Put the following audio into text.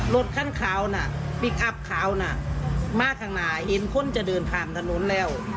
รถคันขาวน่ะพลิกอัพขาวน่ะมาข้างหน้าเห็นคนจะเดินผ่านถนนแล้ว